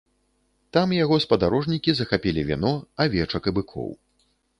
Там яго спадарожнікі захапілі віно, авечак і быкоў.